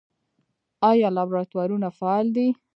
آیا لابراتوارونه فعال دي؟